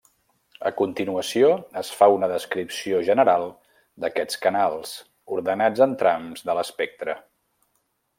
A continuació es fa una descripció general d’aquests canals, ordenats en trams de l’espectre.